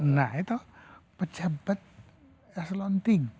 nah itu pejabat eselon tiga